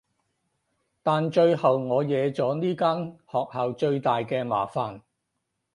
但最後我惹咗呢間學校最大嘅麻煩